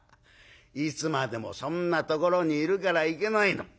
いつまでもそんなところにいるからいけないの。